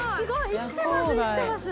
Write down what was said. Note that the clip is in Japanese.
生きてます。